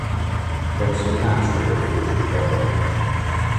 中興大學附屬高農